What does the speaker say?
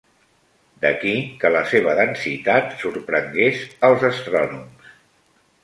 D'aquí que la seva densitat sorprengués als astrònoms.